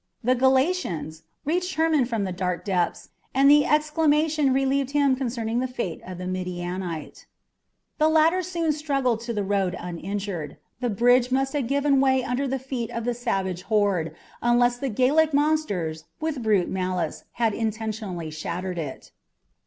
"The Galatians!" reached Hermon from the dark depths, and the exclamation relieved him concerning the fate of the Midianite. The latter soon struggled up to the road uninjured. The bridge must have given way under the feet of the savage horde, unless the Gallic monsters, with brutal malice, had intentionally shattered it.